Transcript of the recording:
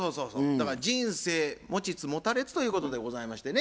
だから人生持ちつ持たれつということでございましてね